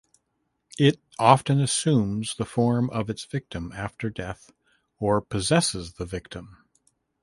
It often assumes the form of its victim after death or possesses the victim.